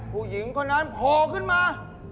ผู้หญิงคนนั้นโผล่ขึ้นมา